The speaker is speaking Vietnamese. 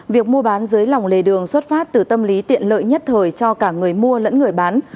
việc mua bán dưới lòng lề đường xuất phát từ tâm lý tiện lợi nhất thời cho cả người mua lẫn người bán